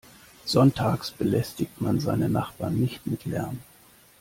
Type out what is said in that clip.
Sonntags belästigt man seine Nachbarn nicht mit Lärm.